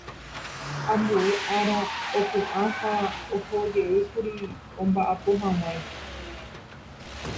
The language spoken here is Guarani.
Ambue ára opu'ã ha ohojeýkuri omba'apohag̃uáicha.